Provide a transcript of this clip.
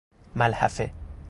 ملحفه